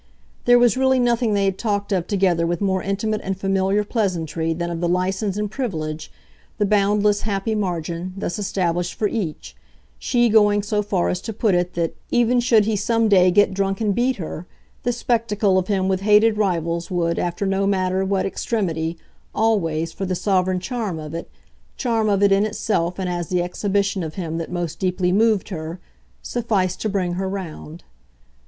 There was really nothing they had talked of together with more intimate and familiar pleasantry than of the license and privilege, the boundless happy margin, thus established for each: she going so far as to put it that, even should he some day get drunk and beat her, the spectacle of him with hated rivals would, after no matter what extremity, always, for the sovereign charm of it, charm of it in itself and as the exhibition of him that most deeply moved her, suffice to bring her round.